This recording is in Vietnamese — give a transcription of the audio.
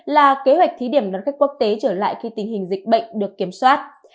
là kế hoạch thí điểm đón khách quốc tế trở lại khi tình hình dịch bệnh được kiểm soát